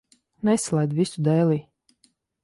Nesalaid visu dēlī.